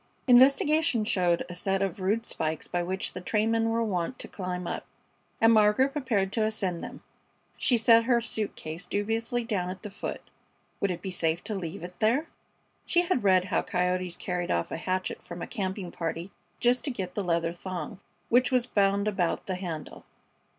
Investigation showed a set of rude spikes by which the trainmen were wont to climb up, and Margaret prepared to ascend them. She set her suit case dubiously down at the foot. Would it be safe to leave it there? She had read how coyotes carried off a hatchet from a camping party, just to get the leather thong which was bound about the handle.